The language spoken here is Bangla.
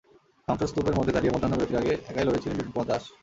ধ্বংসস্তূপের মধ্যে দাঁড়িয়ে মধ্যাহ্ন বিরতির আগে একাই লড়েছিলেন লিটন কুমার দাস।